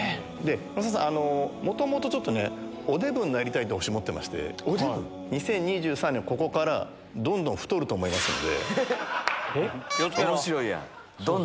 増田さん、もともとちょっとね、おデブになりたいという星を持っておりまして、２０２３年、ここから、どんどん太ると思いますので。